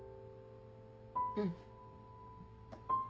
うん。